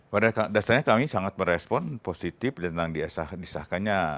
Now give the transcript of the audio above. pada dasarnya kami sangat merespon positif tentang disahkannya